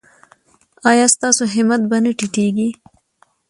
ایا ستاسو همت به نه ټیټیږي؟